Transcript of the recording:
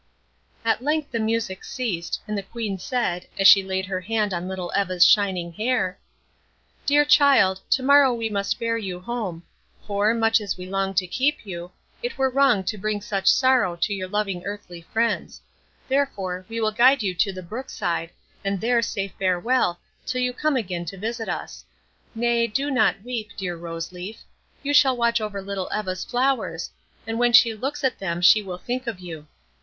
At length the music ceased, and the Queen said, as she laid her hand on little Eva's shining hair:— "Dear child, tomorrow we must bear you home, for, much as we long to keep you, it were wrong to bring such sorrow to your loving earthly friends; therefore we will guide you to the brook side, and there say farewell till you come again to visit us. Nay, do not weep, dear Rose Leaf; you shall watch over little Eva's flowers, and when she looks at them she will think of you.